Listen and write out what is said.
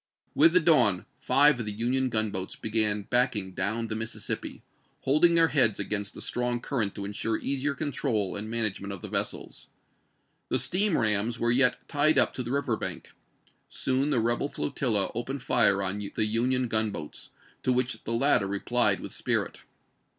With the dawn five of the Union gunboats began backing down the Mississippi, holding their heads against the strong cuiTent to insure easier control and management of the vessels. The steam rams were yet tied up to the river bank. Soon the rebel flo tilla opened fire on the Union gunboats, to which the latter replied with spirit.